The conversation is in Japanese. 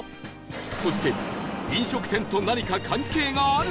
そして飲食店と何か関係があるのか？